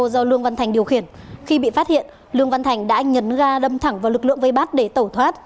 do lương văn thành điều khiển khi bị phát hiện lương văn thành đã nhấn ga đâm thẳng vào lực lượng vây bắt để tẩu thoát